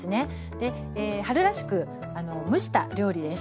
春らしく蒸した料理です。